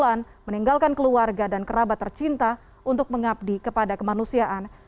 sejak awal kemunculan meninggalkan keluarga dan kerabat tercinta untuk mengabdi kepada kemanusiaan